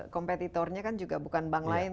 kompetitornya kan juga bukan bank lain